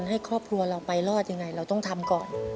ให้ครอบครัวเราไปรอดยังไงเราต้องทำก่อน